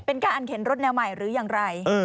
เป็นการเข็นรถแนวใหม่หรือยังไร